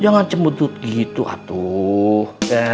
jangan cembut begitu a'a tuh